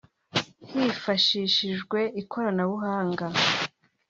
Hifashishijwe ikoranabuhanga